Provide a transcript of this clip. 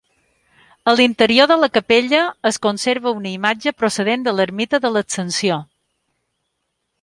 A l'interior de la capella es conserva una imatge procedent de l'ermita de l'Ascensió.